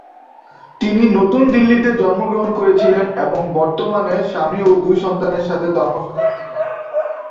তিনি নতুন দিল্লিতে জন্মগ্রহণ করেছিলেন এবং বর্তমানে স্বামী ও দুই সন্তানের সাথে ধর্মশালায় থাকেন।